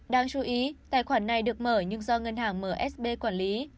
đáng chú ý tài khoản này được mở nhưng do ngân hàng msb quản lý